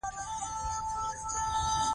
ماشومان په لوبو کې خپل استعداد ازمويي.